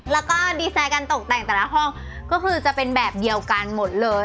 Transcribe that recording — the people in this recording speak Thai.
แล้วก็ดีไซน์การตกแต่งแต่ละห้องก็คือจะเป็นแบบเดียวกันหมดเลย